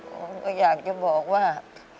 ผมก็อยากจะบอกว่า